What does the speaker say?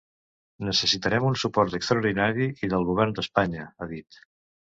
Necessitarem un suport extraordinari del govern d’Espanya, ha dit.